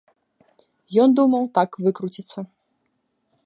Ён думаў так выкруціцца.